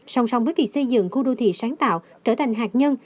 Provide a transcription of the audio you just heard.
sòng sòng với việc xây dựng khu đô thị sáng tạo trở thành hạt nhân